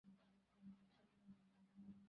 কিছু পাওয়া যায়নি।